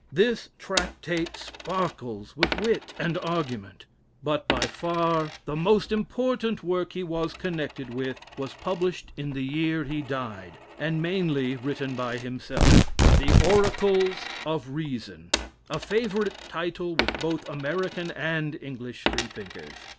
This tractate sparkles with wit and argument. But by far the most important work he was connected with, was published in the year he died, and mainly written by himself, "The Oracles of Reason" a favorite title with both American and English Freethinkers.